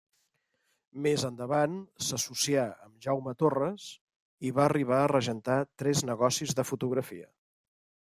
Més endavant s'associà amb Jaume Torres i va arribar a regentar tres negocis de fotografia.